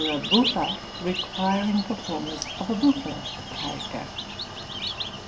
} (98) requiring performers of a buffo character."